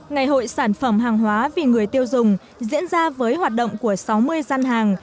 ngày hội sản phẩm hàng hóa vì người tiêu dùng diễn ra với hoạt động của sáu mươi gian hàng